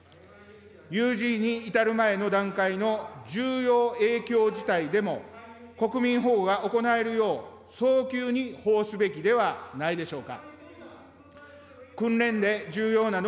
有事に至る前の段階の重要影響事態でも国民保護が行えるよう、早急にすべきではないでしょうか。